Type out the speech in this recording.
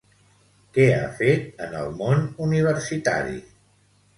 Què ha fet en el món universitari?